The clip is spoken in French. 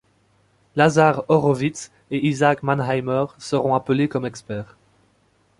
Lazar Horowitz et Isaak Mannheimer seront appelés comme experts.